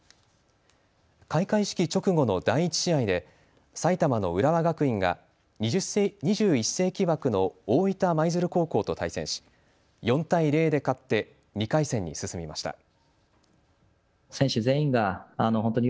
開会式直後の第１試合で埼玉の浦和学院が２１世紀枠の大分舞鶴高校と対戦し４対０で勝って２回戦に進みました。